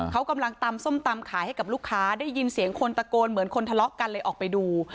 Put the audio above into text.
เขากำลังตำส้มตำขายให้กับลูกค้าได้ยินเสียงคนตะโกนเหมือนคนทะเลาะกันเลยออกไปดู